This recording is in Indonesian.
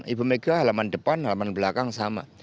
ibu mega halaman depan halaman belakang sama